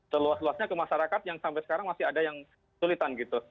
seluas luasnya ke masyarakat yang sampai sekarang masih ada yang sulitan gitu